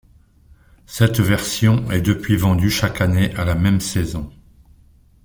Cette version est depuis vendue chaque année à la même saison.